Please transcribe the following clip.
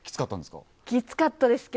きつかったんですか？